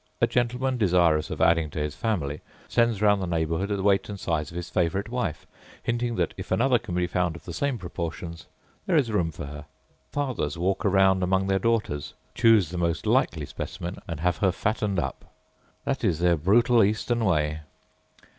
A gentleman desirous of adding to his family sends round the neighbourhood the weight and size of his favourite wife, hinting that if another can be found of the same proportions, there is room for her. Fathers walk round among their daughters, choose the most likely specimen, and have her fattened up. That is their brutal Eastern way.